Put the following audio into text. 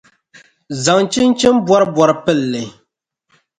zaŋ chinchin’ bɔribɔri pili li.